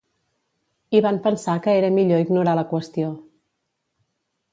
I van pensar que era millor ignorar la qüestió.